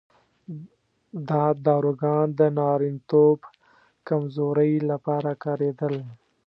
دا داروګان د نارینتوب کمزورۍ لپاره کارېدل.